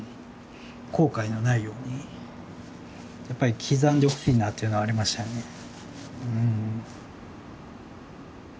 後悔のないようにやっぱり刻んでほしいなっていうのはありましたよね。